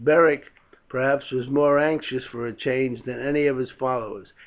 Beric, perhaps, was more anxious for a change than any of his followers.